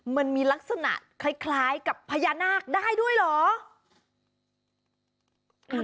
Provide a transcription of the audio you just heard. มันมีลักษณะคล้ายกับพญานาคได้ด้วยเหรอ